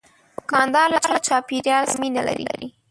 دوکاندار له چاپیریال سره مینه لري.